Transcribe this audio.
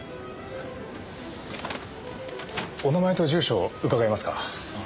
お名前と住所を伺えますか？